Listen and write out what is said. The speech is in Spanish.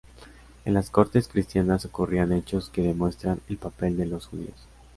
En las cortes cristianas, ocurrían hechos que demuestran el papel de los judíos.